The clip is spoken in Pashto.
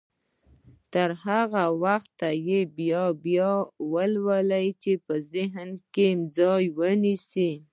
تر هغه وخته يې بيا بيا يې ولولئ چې ذهن کې ځای ونيسي.